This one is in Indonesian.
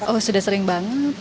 oh sudah sering banget